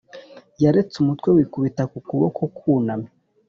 yaretse umutwe wikubita ku kuboko kwunamye,